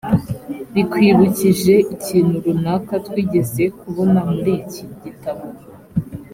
bikwibukije ikintu runaka twigeze kubona muri iki gitabo .